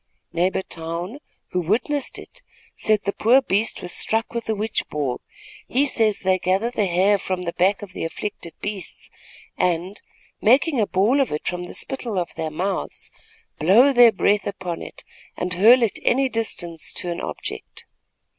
Neighbor Towne, who witnessed it, said the poor beast was struck with a witch ball. He says they gather the hair from the back of the afflicted beasts and, making a ball of it from the spittle of their mouths, blow their breath upon it and hurl it any distance to an object.